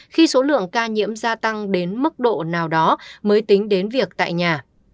khi số lượng ca nhiễm gia tăng đến mức độ nào đó mới tính đến việc tại nhà